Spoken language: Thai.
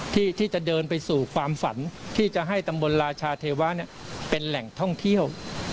ที่จะเดินไปสู่ความฝันที่จะให้ตำบลราชาเทวะเป็นแหล่งท่องเที่ยว